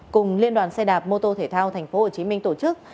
cùng liên đoàn xe đạp mô tô thể thao tp hcm tổ chức